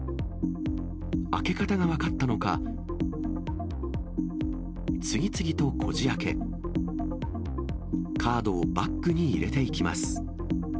開け方が分かったのか、次々とこじあけ、カードをバッグに入れていきます。